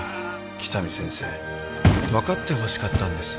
喜多見先生分かってほしかったんです